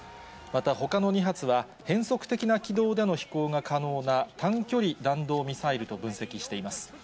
また、ほかの２発は、変則的な軌道での飛行が可能な短距離弾道ミサイルと分析しています。